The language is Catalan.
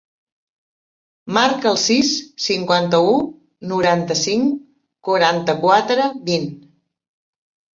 Marca el sis, cinquanta-u, noranta-cinc, quaranta-quatre, vint.